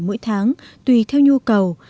mỗi tháng tùy theo nhu cầu